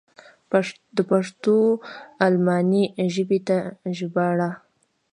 د پښتو و الماني ژبې ته ژباړه.